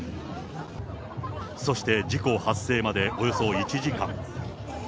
そして、事故発生までおよそ１時間。